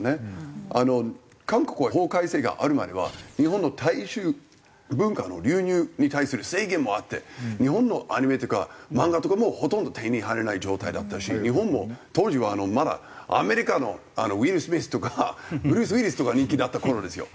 韓国は法改正があるまでは日本の大衆文化の流入に対する制限もあって日本のアニメとか漫画とかもほとんど手に入らない状態だったし日本も当時はまだアメリカのウィル・スミスとかブルース・ウィリスとか人気だった頃ですよ。